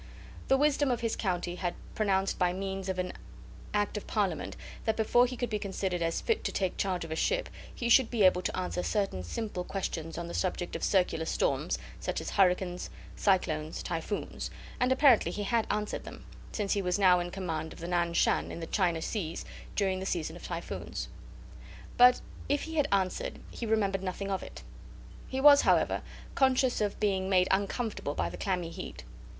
The wisdom of his country had pronounced by means of an Act of Parliament that before he could be considered as fit to take charge of a ship he should be able to answer certain simple questions on the subject of circular storms such as hurricanes, cyclones, typhoons; and apparently he had answered them, since he was now in command of the Nan Shan in the China seas during the season of typhoons. But if he had answered he remembered nothing of it. He was, however, conscious of being made uncomfortable by the clammy heat.